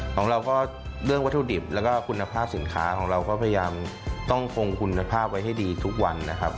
ของเราก็เรื่องวัตถุดิบแล้วก็คุณภาพสินค้าของเราก็พยายามต้องคงคุณภาพไว้ให้ดีทุกวันนะครับ